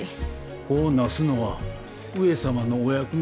子をなすのは上様のお役目。